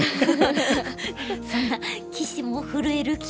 そんな棋士も震える企画。